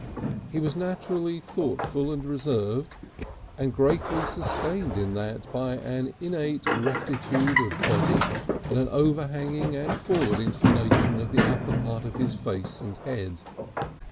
He was naturally thoughtful and reserved, and greatly sustained in that by an innate rectitude of body and an overhanging and forward inclination of the upper part of his face and head.